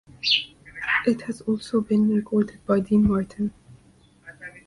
It has also been recorded by Dean Martin.